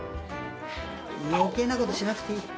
余計なことしなくていい！